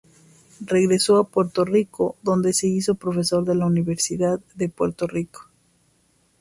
Regresó a Puerto Rico donde se hizo profesora en la Universidad de Puerto Rico.